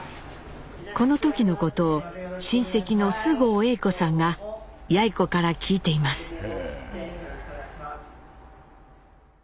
この時のことを親戚の菅生栄子さんがやい子から聞いています。